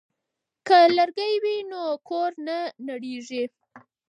که لرګی وي نو کور نه نړیږي.